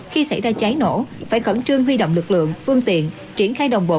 khi xảy ra cháy nổ phải khẩn trương huy động lực lượng phương tiện triển khai đồng bộ